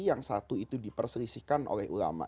yang satu itu diperselisihkan oleh ulama